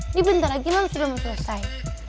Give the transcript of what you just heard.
ini bentar lagi mams udah mau selesai